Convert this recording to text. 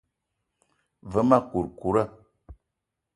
Ve ma kourkoura.